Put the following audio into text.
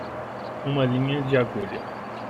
Uma linha de agulha